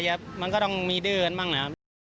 โอ้โหก็พูดไม่ดีมันก็ต้องมีเดือนบ้างนะ